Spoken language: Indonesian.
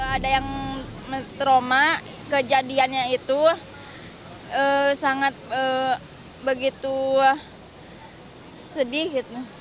ada yang trauma kejadiannya itu sangat begitu sedih